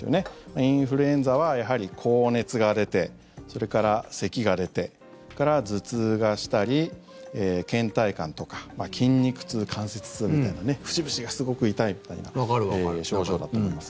インフルエンザはやはり高熱が出てそれから、せきが出てそれから頭痛がしたりけん怠感とか筋肉痛、関節痛みたいな節々がすごく痛いみたいな症状だと思います。